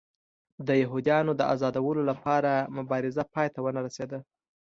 د یهودیانو د ازادولو لپاره مبارزه پای ته ونه رسېده.